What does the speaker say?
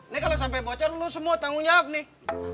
ini kalau sampai bocor lu semua tanggung jawab nih